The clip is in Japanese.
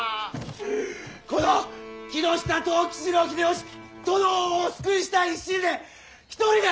この木下藤吉郎秀吉殿をお救いしたい一心で一人で！